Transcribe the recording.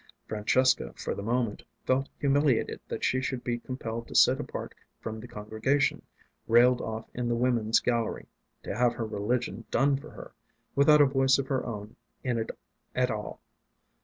Francesca, for the moment, felt humiliated that she should be compelled to sit apart from the congregation, railed off in the women's gallery, to have her religion done for her, without a voice of her own in it at all.